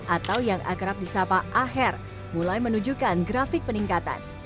atau yang akrab di sapa aher mulai menunjukkan grafik peningkatan